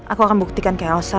aku akan buktikan ke elsa